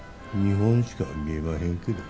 ２本しか見えまへんけど。